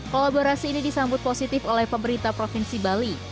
kolaborasi ini disambut positif oleh pemerintah provinsi bali